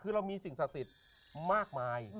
คือเรามีสิ่งศักดิ์สิทธิ์มากมาย